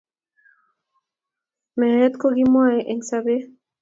Meet komakimwee eng sobeet.